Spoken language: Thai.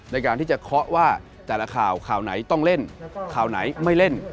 ในการที่จะเคาะว่าแต่ละข่าวข่าวไหนต้องเล่นข่าวไหนไม่เล่น